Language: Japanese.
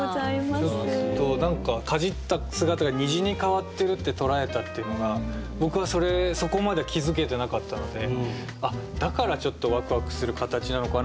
ちょっと何かかじった姿が虹に変わってるって捉えたっていうのが僕はそれそこまでは気付けてなかったのでだからちょっとワクワクする形なのかなっていうのも気付けたんで。